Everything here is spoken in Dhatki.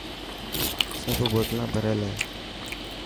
سب بوتلنا ڀريل هي.